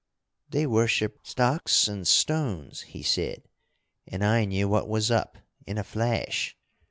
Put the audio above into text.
'They worship stocks and stones,' he said, and I knew what was up, in a flash.